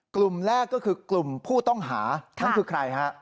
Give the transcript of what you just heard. กลุ่มแรกก็คือกลุ่มผู้ต้องหานั่นคือใครฮะ